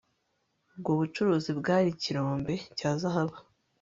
ubwo bucuruzi bwari ikirombe cya zahabu